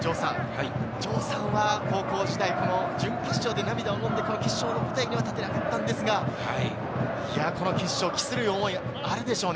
城さんは高校時代、この準決勝で涙をのんで決勝の舞台には立てなかったんですが、この決勝を期する思い、あるでしょうね。